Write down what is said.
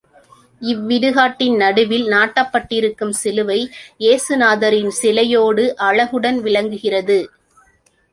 இவ்விடுகாட்டின் நடுவில் நாட்டப்பட்டிருக்கும் சிலுவை, ஏசு நாதரின் சிலையோடு அழகுடன் விளங்குகிறது.